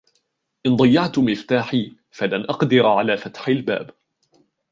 إن ضيعت مفتاحي ، فلن أقدر على فتح الباب.